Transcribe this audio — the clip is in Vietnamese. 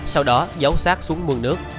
sau đó giấu sát xuống đường